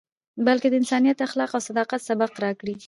بلکې د انسانیت، اخلاص او صداقت، سبق راکړی.